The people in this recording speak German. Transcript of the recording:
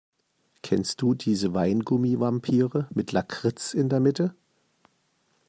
Kennst du diese Weingummi-Vampire mit Lakritz in der Mitte?